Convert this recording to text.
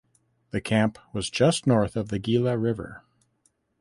The camp was just north of the Gila River.